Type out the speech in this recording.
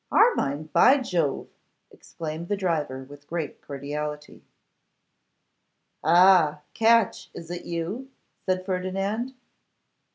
'Armine, by Jove!' exclaimed the driver, with great cordiality. 'Ah! Catch, is it you?' said Ferdinand.